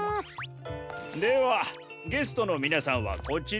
ではゲストのみなさんはこちらへ。